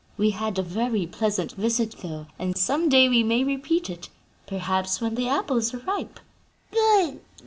We had a very pleasant visit, though, and some day we may repeat it perhaps when the apples are ripe." "Good!